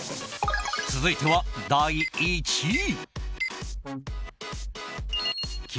続いては、第１位。